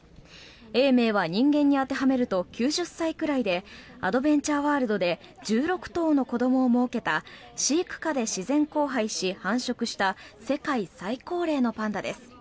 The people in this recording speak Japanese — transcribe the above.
永明は人間に当てはめると９０歳ぐらいでアドベンチャーワールドで１６頭の子どもをもうけた飼育下で自然交配し繁殖した世界最高齢のパンダです。